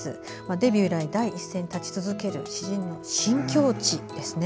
デビュー以来、第一線に立ち続ける詩への新境地ですね。